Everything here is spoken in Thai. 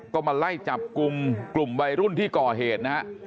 ก็มาไล่จับกลุ่มกลุ่มวัยรุ่นที่ก่อเหตุนะฮะ